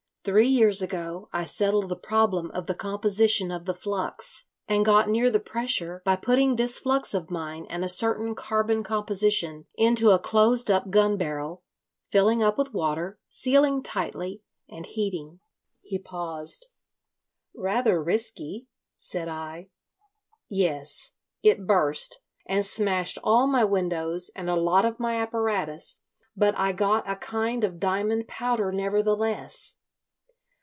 Three years ago I settled the problem of the composition of the flux, and got near the pressure by putting this flux of mine and a certain carbon composition into a closed up gun barrel, filling up with water, sealing tightly, and heating." He paused. "Rather risky," said I. "Yes. It burst, and smashed all my windows and a lot of my apparatus; but I got a kind of diamond powder nevertheless.